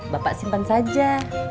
bapak simpan saja